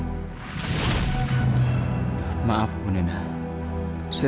kalau masalahnya bahwa dia tidak memberikan saya maksud bts